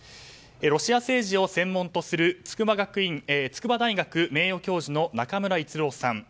ロシア政治を専門とする筑波大学名誉教授の中村逸郎さん。